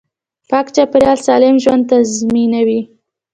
پاک چاپیریال سالم ژوند تضمینوي